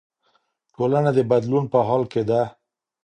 ټولنه د بدلون په حال کې ده.